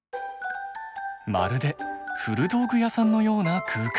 まるで古道具屋さんのような空間。